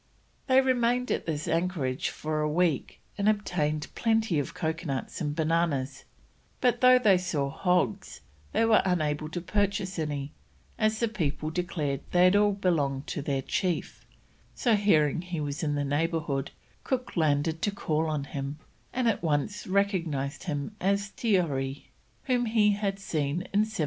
They remained at this anchorage for a week, and obtained plenty of coconuts and bananas; but though they saw hogs, they were unable to purchase any, as the people declared they all belonged to their chief; so, hearing he was in the neighbourhood, Cook landed to call on him, and at once recognised him as Tearee, whom he had seen in 1769.